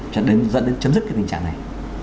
dẫn đến chấm dứt cái tình trạng này